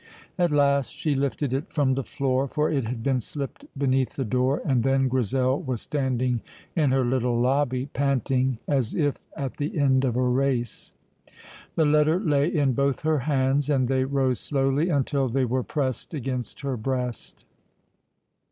At last she lifted it from the floor, for it had been slipped beneath the door, and then Grizel was standing in her little lobby, panting as if at the end of a race. The letter lay in both her hands, and they rose slowly until they were pressed against her breast.